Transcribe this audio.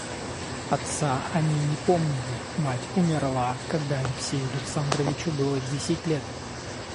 Отца они не помнили, мать умерла, когда Алексею Александровичу было десять лет.